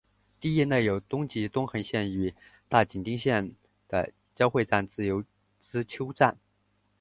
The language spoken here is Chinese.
地域内有东急东横线与大井町线的交会站自由之丘站。